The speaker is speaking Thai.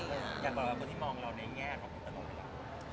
อยากบอกว่าคนที่มองเราในแง่มันมองไปหรือ